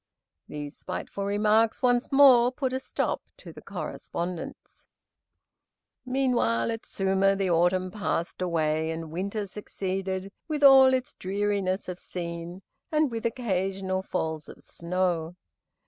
These spiteful remarks once more put a stop to the correspondence. Meanwhile, at Suma, the autumn passed away and winter succeeded, with all its dreariness of scene, and with occasional falls of snow.